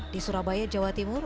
di surabaya jawa timur